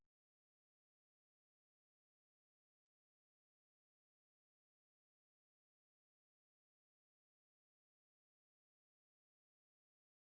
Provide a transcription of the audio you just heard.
โปรดติดตามต่อไป